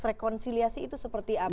rekonciliasi itu seperti apa